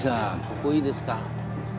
ここいいですか？